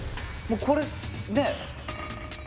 もうこれね。